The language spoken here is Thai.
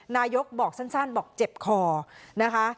นายกบอกสั้นบอกเจ็บคอนะคะ